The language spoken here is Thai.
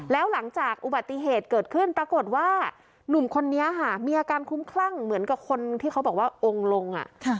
แล้วหลังจากอุบัติเหตุเกิดขึ้นปรากฏว่าหนุ่มคนนี้ค่ะมีอาการคุ้มคลั่งเหมือนกับคนที่เขาบอกว่าองค์ลง